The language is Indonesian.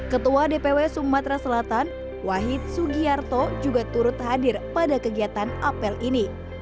ketua dpw sumatera selatan wahid sugiarto juga turut hadir pada kegiatan apel ini